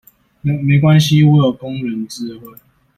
沒關係我有工人智慧